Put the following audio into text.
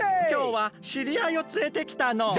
きょうはしりあいをつれてきたの。